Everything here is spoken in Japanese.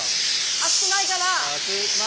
熱くないかな？